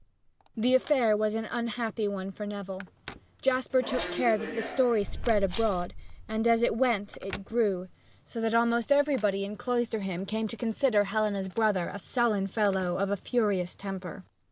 The affair was an unhappy one for Neville. Jasper took care that the story spread abroad, and as it went it grew, so that almost everybody in Cloisterham came to consider Helena's brother a sullen fellow of a furious temper.